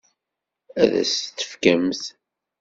Ad as-t-tefkemt?